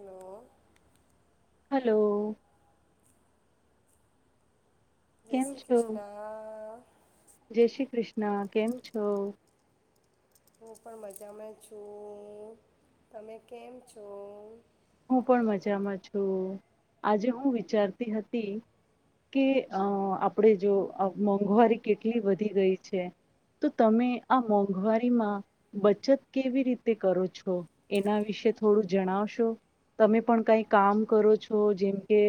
Hello hello. જય કેમ શ્રી છો કૃષ્ણ જય શ્રી કૃષ્ણ. ના કેમ છો. હું પણ મજામાં છું તમે કેમ છો. હું પણ મજામાં છું આજે હું વિચારતી હતી કે આપણે જો મોંઘવારી કેટલી વધી ગઈ છે તો તમે આ મોંઘવારીમાં બચત કેવી રીતે કરો છો એના વિશે થોડું જણાવશો. તમે પણ કઈ કામ કરો છો જેમ કે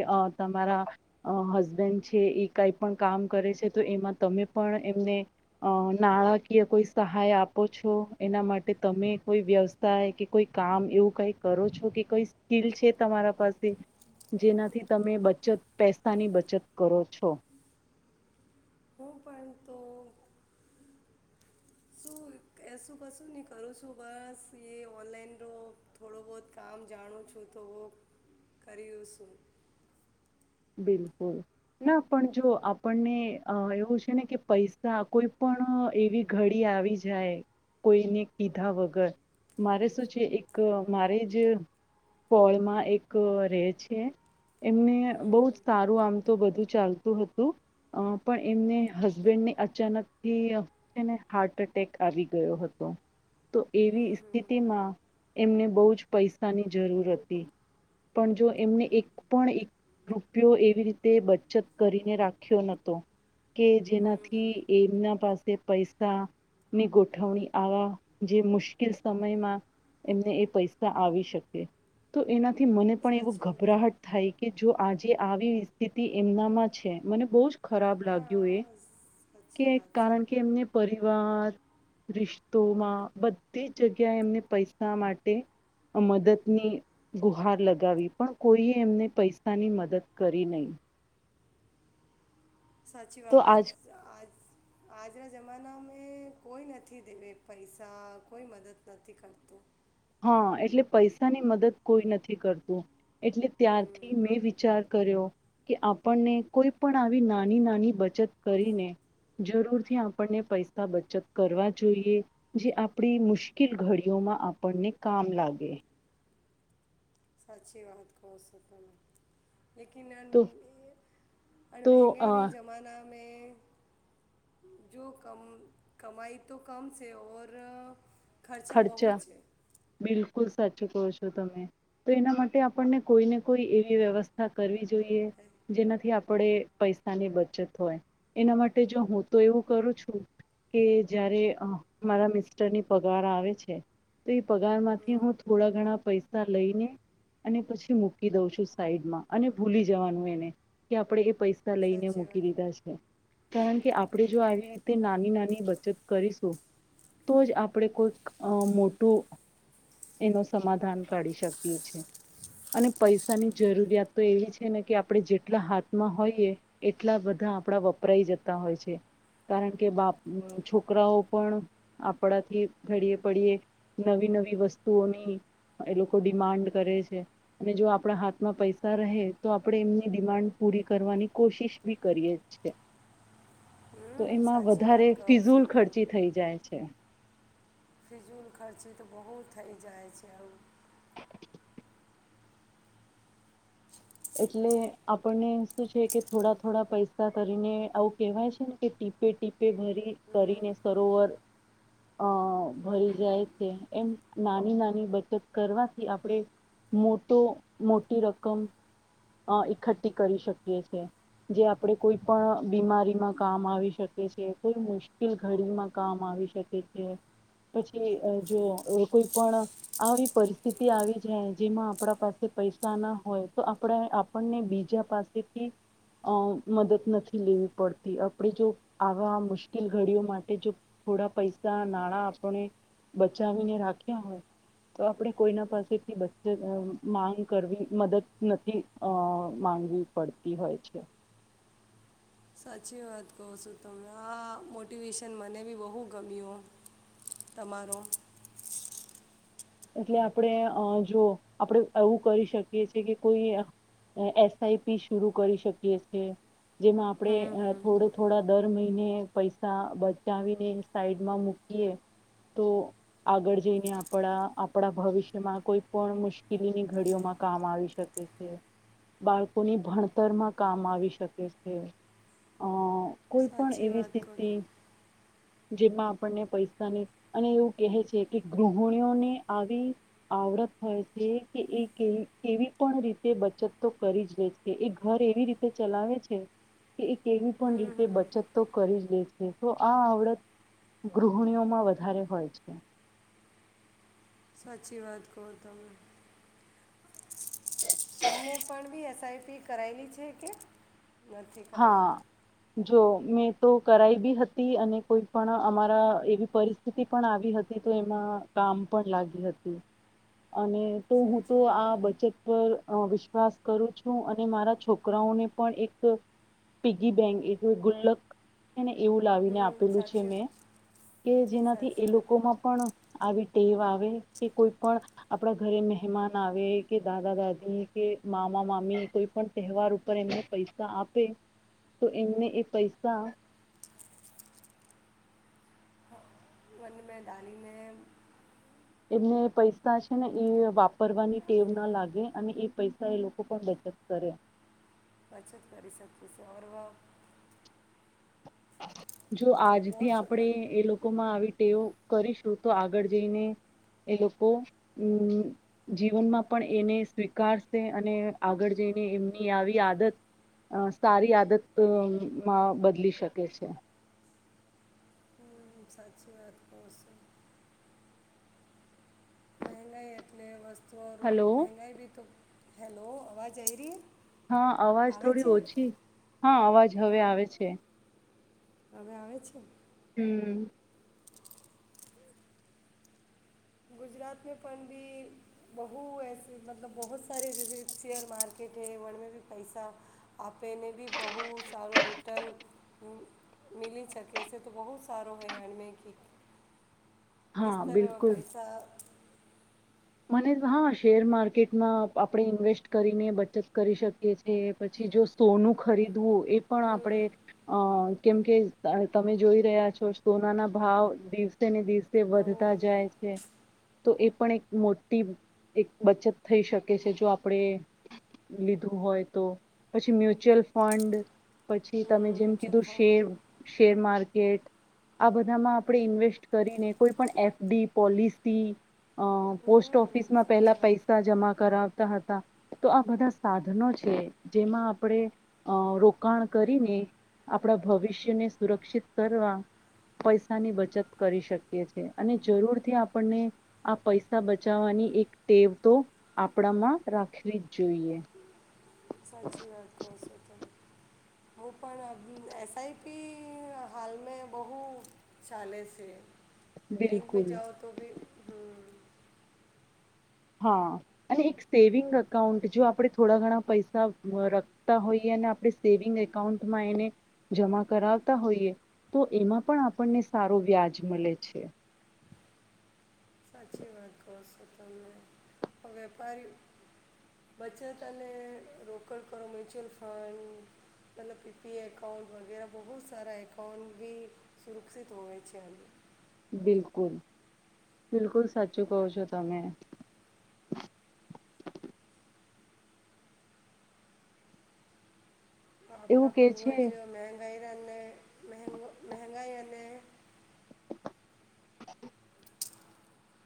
તમારા હસબેન્ડ છે એ કઈ પણ કામ કરે છે તો એમાં તમે પણ એમને નાણાકીય કોઈ સહાય આપો છો એના માટે તમે કોઈ વ્યવસાય કે કોઈ કામ એવું કઈ કરો છો કે કઈ સ્કીલ છે તમારા પાસે જેનાથી તમે બચત પૈસાની બચત કરો છો હું પણ તો શું એસું કસું નહી કરું છું બસ એ ઓનલાઈનનો થોડું બહુત કામ જાણું છું તો કર્યું શું. બિલકુલ ના પણ જો આપણને એવું છે ને કે પૈસા કોઈ પણ એવી ઘડી આવી જાય કોઈને કીધા વગર મારે શું છે એક મારે જ ફળમાં એક રહે છે એમને બહુ જ સારું આમ તો બધું ચાલતું હતું પણ એમને હસબેન્ડને અચાનકથી છેને હાર્ટ એટેક આવી ગયો હતો. તો એવી સ્થિતિમાં એમને બહુ જ પૈસાની જરૂર હતી પણ જો એમને એક પણ એક રૂપિયો એવી રીતે બચત કરીને રાખ્યો નહોતો. કે જેનાથી એમના પાસે પૈસા ની ગોઠવણી આવા જે મુશ્કેલ સમયમાં એમને એ પૈસા આવી શકે તો એના થી મને પણ એવું સાચી વાત છે. ગભરાહટ થાય જો આજે આવી સ્થિતિ એમના માં છે મને બો જ ખરાબ લાગ્યું એ હા કે સાચી વાત છે કારણ કે એમને પરિવાર ર તોમાં બધી જ જગ્યાએ એમને પૈસા માટે મદદની ગુહાર લગાવી પણ કોઈ એમને પૈસા ની મદદ કરી નહીં. સાચી વાત આજ આજ. આજના જમાના મેં કોઈ નથી દેવે પૈસા કોઈ મદદ નથી કરતું. હા એટલે પૈસાની મદદ કોઈ નથી કરતું. એટલે હમ ત્યારથી મેં વિચાર કર્યો કે આપણને કોઈ પણ આવી નાની નાની બચત કરીને જરૂરથી આપણને પૈસા બચત કરવા જોઈએ જે આપણી મુશ્કેલ ઘડીઓમાં આપને કામ લાગે. સાચી વાત કહો શકેલા લેકિન તો આ તો અ, મંગાઈ ના જમા જો કમ કમાઈ તો કમ છે ઓ ખર્ચા બહુ છે. બિલકુલ સાચું કહો છો તમે તો એના માટે આપણને કોઈને કોઈ એવી વ્યવસ્થા કરવી જોઈએ હે, જેનાથી આપણે પૈસાની બચત હોય એના માટે જો હું તો એવું કરું છું કે જારે મારા મિસ્ટરની પગાર આવે છે તો એ પગારમાંથી હું થોડા ઘણા પૈસા લઈને અને પછી મૂકી દઉં છું સાઈડમાં અને ભૂલી જવાનું એને કે આપણેે એ પૈસા ત લઈને સાચી વાત મૂકી દીધા છે. કારણ કે આપણે જો આવી રીતે નાની નાની બચત કરીશું તો જ આપણે કોઈક અ મોટ ટુ એનો સમાધાન કાઢી શકીએ છે અને પૈસાની જરૂરિયાત તો એવી છે ને કે આપણે જેટલા હાથમાં હોઈએ એટલા બધા આપણા વપરાય જતા હોય છે કારણ કે બાપ અમ છોકરાઓ પણ આપણાથી ઘડીએ પડીએ નવી નવી વસ્તુઓની એ લોકો ડિમાન્ડ કરે છે અને જો આપણા હાથમાં પૈસા રહે તો આપણે એમની ડિમાન્ડ પૂરી કરવાની કોશિશ બી કરીએ છે. તો હમ એમાં સાચી વાત વધારે કહો છો ફિઝુલ ખર્ચી થઈ જાય છે. ફિજૂલ ખર્ચી તો બહુ થઈ જાય છે આવુ એટલે આપણને શું છે કે થોડા થોડા પૈસા કરીને આવું કહેવાય છે ને કે ટીપે ટીપે ભરી કરીને સરોવર અ ભરી જાય છે એમ નાની નાની બચત કરવાથી આપણે મોટો મોટી રકમ અ ઈકઠી કરી શકીએ છે જે આપણે કોઈપણ બીમારીમાં કામ આવી શકે છે એ કોઈ મુશ્કેલ ઘડીમાં કામ આવી શકે છે પછી અ જો કોઈપણ આવી પરિસ્થિતિ આવી જાય જેમાં આપણા પાસે પૈસા ના હોય તો આપણે આપણને બીજા પાસેથી અ મદદ નથી લેવી પડતી આપણે જો આવા મુશ્કેલ ઘડીઓ માટે જો થોડા પૈસા નાણાં આપણે બચાવીને રાખ્યા હોય તો આપણે કોઈના પાસેથી બચત અ માંગ કરવી મદદ નથી અ માંગવી પડતી હોય છે. સાચી વાત કહો છો તમને આ મોટિવેશન મને બી બહુ ગમ્યો તમારો એટલે આપણે અ જો આપણે એવું કરી શકીએ છે કે કોઈ એફ ને એસઆઈપી શરુ કરી શકીએ છે. જેમાં આપણે અ થોડો થોડા દર દર મહિને પૈસા બચાવીને સાઈડમાં મૂકીએ તો આગળ જઈને આપણા આપણા ભવિષ્યમાં કોઈ પણ મુશ્કેલીની ઘડીઓમાં કામ આવી શકે છે બાળકોની ભણતરમાં કામ આવી શકે છે અ કોઈપણ સાચી એવી વાત કહો સ્થિતિ છો. જેમાં આપણને પૈસાની અને એવું કહે છે કે ગૃહિણીઓની આવી આવડત થાય છે કે એ કેવી કેવી પણ રીતે બચત તો કરીજ લે છે એ ઘર એવી રીતે ચલાવે છે કે એક કેવી પણ હમ રીતે હમ બચત તો કરીજ લે છે તો આ આવડત ગૃહણીઓમાં વધારે હોય છે. સાચી વાત કહો તમે અપીલ કરાયેલી છે કે નથી કરાયી હા જો મેં તો કરાઈ બી હતી અને કોઈપણ અમારા એવી પરિસ્થિતિ પણ આવી હતી તો એમાં કામ પણ લાગી હતી અને તો હું તો સાચી વાત આ બચત પર અ વિશ્વાસ કરું છું અને મારા છોકરાઓને પણ એક પીગી બેંક એક ગુલ્લક એને એવું લાવીને હમ આપેલું છે સાચી મે કે જેનાથી એ સાચી લોકોમાં પણ આવી ટેવ આવ હોય કે કોઈપણ આપણા ઘરે મહેમાન આવે કે દાદા દાદી કે મામા મામી કોઈપણ તહેવાર ઉપર એમને પૈસા આપ પે તો એમને એ પૈસા વન મે દાદીને એમને પૈસા છે ને એ વાપરવાની ટેવ ના લાગે અને એ પૈસા એ લોકો પણ બચત કરે. બચત કરી શકીશુ અર વ [inaudible] જો બહુ આજથી સ- મન- આપણેે એ લોકોમાં આવી તેઓ કરીશું તો આગળ જઈને એ લોકો અમ જીવનમાં પણ એને સ્વીકારશે અને આગળ જઈને એમની આવી આદત અ સારી આદત તો માં બદલી શક શકે છે. એમ સાચી વાત કહુ છું. મેહેંગાઈ એટલે વસ હલો તોરફ મેહગાઈ ભી તો હેલો અવાજયરી. હા અવાજ થોડી ઓછી. હા અવાજ હવે આવે છે. હવે આવ છે. હમ ગુજરાત મે પણ ભી બહુ એસ મતલબ બહુ સારારે જ શેયર માારકેટ હૈ વણમે ભી પૈસા આપેને ભી બહુ સારો રિટર્ન મીળી શકેસે તો બહુ સારો હૈ એણમે કે. ઈસ હા તરફ બિલકુલ પૈસા. મને હા શેર માર્કેટમાં આપણે ઇન્વેસ્ટ કરીને બચત કરી શકીએ છીએ પછી જો સોનું ખરીદ. વું એ પણ આપણેે અ. કેમ કે તમે જોઈ રહ્યા છો સોના ના ભાવ દિવસે ને દિવસે. તે બહુ વધતા જાય છે તો એ. પણ એક. મોટી એક બચત થઈ શકે છે જો આપણેે લીધું હોય તો પછી મ્યુચ્યુઅલ ફંડ. પછી તમે જેમ કીધું મ્યુચ્યુઅલ શેર શેર માર્કેટ. બધામાં આપણે ઈન્વેસ્ટ કરીને કોઈ પણ એફડી પોલિશી. પોસ્ટ ફંડ ઓફિસમાં પહેલા સાચી વાત પૈસા જમા કરાવ. હતા તો આ બધા સાધનો છે જેમાં આપણે અ રોકાણ કરીને આપણા ભવિષ્યને સુરક્ષિત કરવા પૈસાની બચત કરી શકીએ છીએ અને જરૂરથી આપણને આ પૈસા. બચાવવાની એક ટેવ તો આપણામાં રાખવી જ જોઈએ. સાચી વાત કો છો તમે. હું પણ એસઆઈપી હાલમાં બહુ ચાલે છે. બેંક મે બિલકુલ જાઓ તો ભી હમ. હા અને એક સેવિંગ અકાઉંન્ટ જો આપણે થોડા ઘણા પૈસા રખતા હોઈએ અને આપણે સેવિંગ એકાઉન્ટમાં એને જમા કરાવતા હોઈએ તો એમાં પણ આપણને સારો વ્યાજ મળે છે. સાચી વાત કર છો તમે વેપારી બચત અને રોકડ કરો મ્યુચ્યુઅલ ફંડ ત પીપીઆ એકાઉન્ટ વગેરે બહુ જ સારા એકાઉન્ટ બી સુરક્ષિત હોય છે અને. બિલકુલ બિલકુલ સાચું કહ છો તમે. એવું આપણા કે પૂર્વજ છે મંગાઈ અને મહ મંગાઈ એ અને.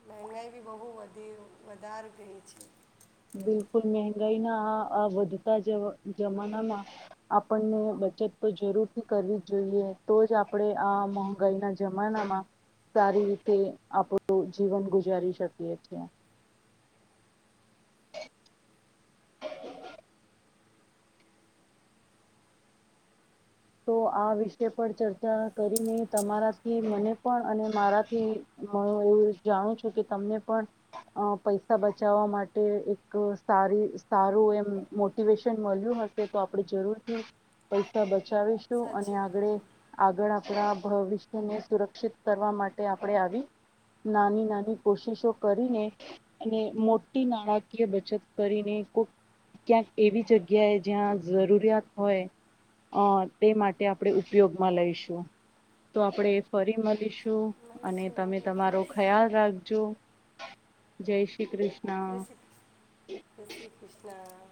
મંંગાઈ બી બહુ વધી વધાર રહી છે. બિલકુલ મગાઈના અ વધતા જ જમાનામાં આપણને બચત તો જરૂરથી કરવી જ જોઈએ તો જ આપણે આ મંગાઈના જમાનામાં સારી રીતે આપણું જીવન ગુજારી શકીએ છેએ. તો આ વિષ પર ચર્ચા કરીને તમારાથી મને પણ અને મારાથી હ એવું જાણું છું કે તમને પણ પૈસા બચાવવા માટે એક સારી સારું એમ મોટિવેશન મળ્યું હશે તો આપણે જરૂરથી પૈસા બચ. બચાવીશું અને સાચી વાત આગળ છે આગળ આપણા. ભવિષ્યને સુરક્ષિત કરવા માટે આપણે આવી નાની નાની કોશિશો કરીને અને મોટી નાણાકીય બચત કરીને કોઈ ક્યાંક એવી જગ્યાએ જ્યાં જરૂરિયાત હોય. અ તે માટે આપણે ઉપયોગમાં લઈશું તો આપણે એ ફરી મળીશું. મારે અને શું તમે જય તમારો શ્રી ખ્યાલ રાખજો. જો જય શ્રી કૃષ્ણ. જય શ્રીૃણ જય શ્રી કૃષ્ણ.